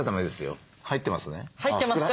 入ってますか？